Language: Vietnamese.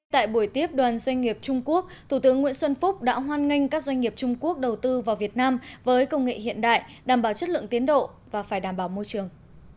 tại buổi tiếp đoàn doanh nghiệp trung quốc thủ tướng nguyễn xuân phúc đã hoan nghênh các doanh nghiệp trung quốc đầu tư vào việt nam với công nghệ hiện đại đảm bảo chất lượng tiến độ và phải đảm bảo môi trường